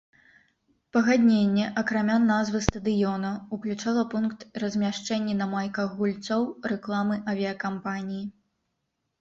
Пагадненне, акрамя назвы стадыёна, уключала пункт размяшчэнні на майках гульцоў рэкламы авіякампаніі.